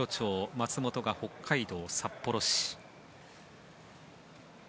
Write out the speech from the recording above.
松本が北海道札幌市。